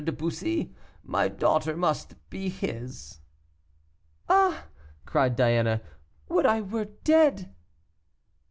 de Bussy. My daughter must be his." "Ah!" cried Diana, "would I were dead!"